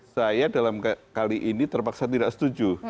saya dalam kali ini terpaksa tidak setuju